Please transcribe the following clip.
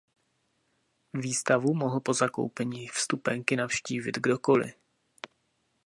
Výstavu mohl po zakoupení vstupenky navštívit kdokoli.